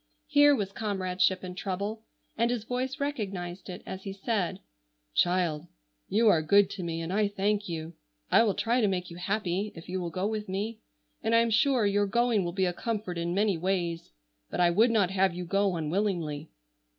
Here was comradeship in trouble, and his voice recognized it as he said: "Child, you are good to me, and I thank you. I will try to make you happy if you will go with me, and I am sure your going will be a comfort in many ways, but I would not have you go unwillingly."